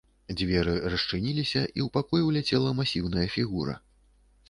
Дзверы расчыніліся і ў пакой уляцела массіўная фігура.